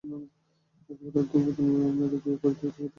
একেবারে অর্ধেক বোতল মেরে দিয়ে উপরের টিকেটটাই কেটে ফেলেন।